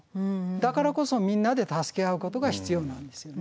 だからこそみんなで助け合うことが必要なんですね。